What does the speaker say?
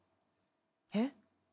えっ？